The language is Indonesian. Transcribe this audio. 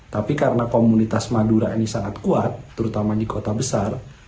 tapi karena komunitas madura ini sangat kuat terutama di kota besar